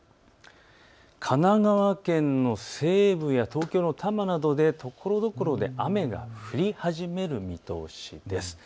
神奈川県の西部や東京の多摩などで、ところどころ雨が降り始める見通しです。